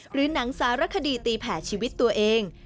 หรือหนังสารคดีตีแผ่ชีวิตตัวเอง